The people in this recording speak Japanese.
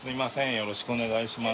よろしくお願いします。